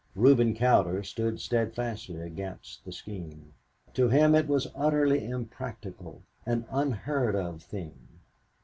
Reuben Cowder stood steadfastly against the scheme. To him it was utterly impractical, an un heard of thing.